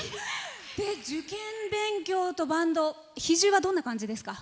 受験勉強とバンド比重は、どんな感じですか？